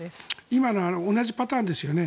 今のは同じパターンですよね。